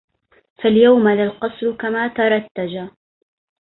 فاليوم لا القصرُ كما تَرتجى